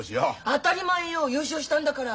当たり前よ優勝したんだから。